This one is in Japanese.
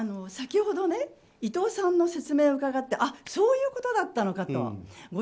先ほど伊藤さんの説明を伺ってそういうことだったのかと。